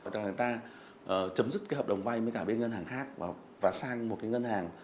chúng ta chấm dứt hợp đồng vay với ngân hàng khác và sang một ngân hàng